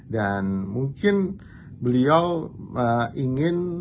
dan mungkin beliau ingin